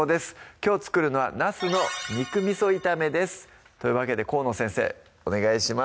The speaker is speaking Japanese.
きょう作るのは「ナスの肉味炒め」ですというわけで河野先生お願いします